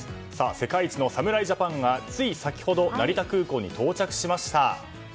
世界一の侍ジャパンがつい先ほど成田空港に到着しました。